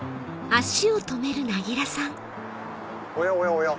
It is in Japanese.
おやおやおや。